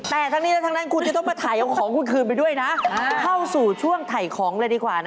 แต่ทั้งนี้และทั้งนั้น